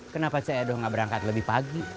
kenapa cee doh gak berangkat lebih pagi